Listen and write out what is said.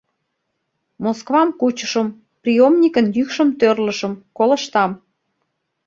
Москвам кучышым, приёмникын йӱкшым тӧрлышым, колыштам: